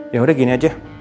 yaudah gini aja